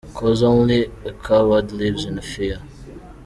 Coz only a coward lives in fear.